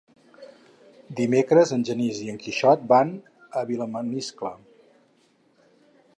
Dimecres en Genís i en Quixot van a Vilamaniscle.